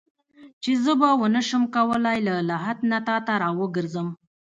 چې زه به ونه شم کولای له لحد نه تا ته راوګرځم.